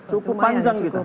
cukup panjang kita